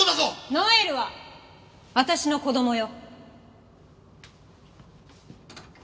ノエルは私の子供よ。